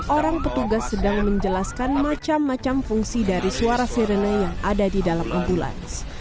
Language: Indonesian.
orang petugas sedang menjelaskan macam macam fungsi dari suara sirene yang ada di dalam ambulans